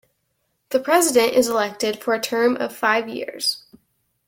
The President is elected for a term of five years.